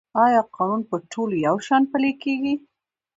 آیا قانون په ټولو یو شان پلی کیږي؟